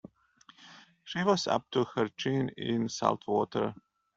She was up to her chin in salt water.